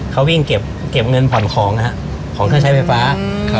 เขาวิ่งเก็บเงินผ่อนของนะฮะของเครื่องใช้ไฟฟ้าครับ